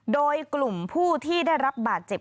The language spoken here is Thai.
โดยกลุ่มผู้ที่ได้รับบาดเจ็บ